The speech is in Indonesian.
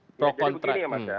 jadi begini ya mas ya